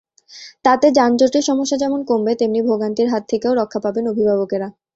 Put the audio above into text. তাতে যানজটের সমস্যা যেমন কমবে, তেমনি ভোগান্তির হাত থেকেও রক্ষা পাবেন অভিভাবকেরা।